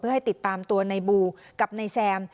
เพื่อให้ติดตามตัวนายบลูกับนายแซม